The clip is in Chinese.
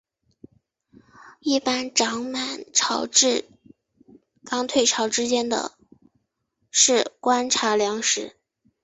一般涨满潮至刚退潮之间是观察良时。